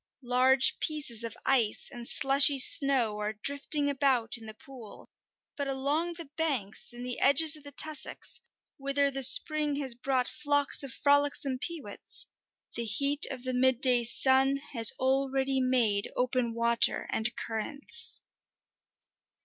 Large pieces of ice and slushy snow are drifting about in the pool, but along the banks and the edges of the tussocks, whither the spring has brought flocks of frolicsome peewits, the heat of the midday sun has already made open water and currents.